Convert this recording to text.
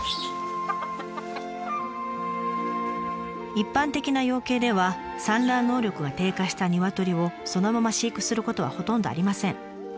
一般的な養鶏では産卵能力が低下したニワトリをそのまま飼育することはほとんどありません。